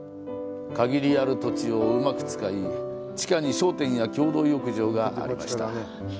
限りある土地をうまく使い、地下に商店や共同浴場がありました。